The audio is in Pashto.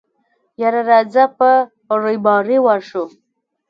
يره راځه په رېبارۍ ورشو.